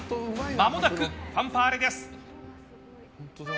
まもなくファンファーレです。